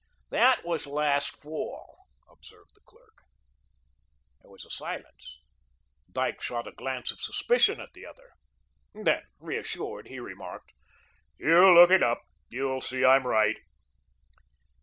"That was last fall," observed the clerk. There was a silence. Dyke shot a glance of suspicion at the other. Then, reassured, he remarked: "You look it up. You'll see I'm right."